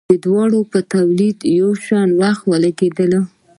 د دواړو په تولید یو شان وخت لګیدلی.